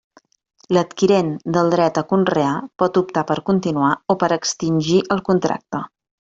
L'adquirent del dret a conrear pot optar per continuar o per extingir el contracte.